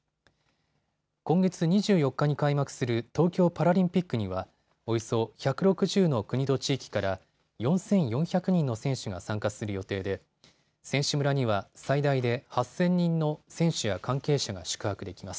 今月２４日に開幕する東京パラリンピックにはおよそ１６０の国と地域から４４００人の選手が参加する予定で選手村には最大で８０００人の選手や関係者が宿泊できます。